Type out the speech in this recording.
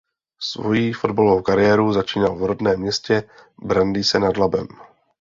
Svojí fotbalovou kariéru začínal v rodném městě Brandýse nad Labem.